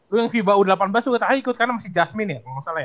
lu yang vba u delapan belas lu gak ikut kan sama si jasmine ya